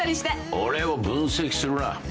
俺を分析するな。